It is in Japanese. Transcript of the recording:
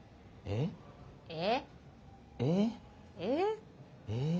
えっ？え？